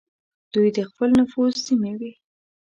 دوی د خپل نفوذ سیمې وې.